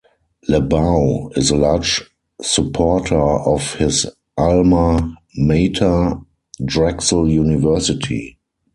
LeBow is a large supporter of his alma mater, Drexel University.